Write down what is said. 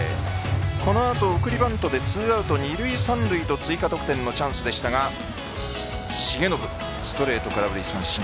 このあと送りバントでツーアウト二塁三塁と追加得点のチャンスでしたが重信、ストレート空振り三振。